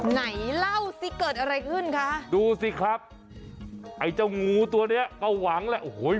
ไหนเล่าสิเกิดอะไรขึ้นคะดูสิครับไอ้เจ้างูตัวเนี้ยก็หวังแหละโอ้โห